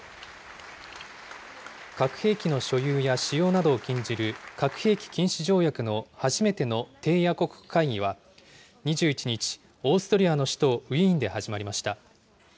核兵器の所有や使用などを禁じる、核兵器禁止条約の初めての締約国会議は２１日、オーストリアの首都ウィーンで始まりました。